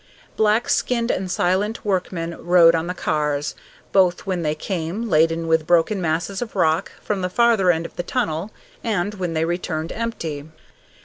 Black skinned and silent workmen rode on the cars, both when they came laden with broken masses of rock from the farther end of the tunnel and when they returned empty.